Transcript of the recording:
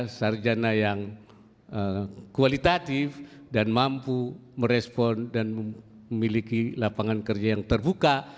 sarjana yang kualitatif dan mampu merespon dan memiliki lapangan kerja yang terbuka